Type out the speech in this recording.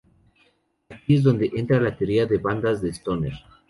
Es aquí donde entra la teoría de bandas de Stoner.